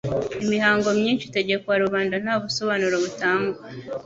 Imihango myinshi itegekwa rubanda nta busobanuro butangwa